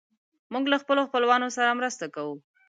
موږ له خپلو خپلوانو سره مرسته کوو.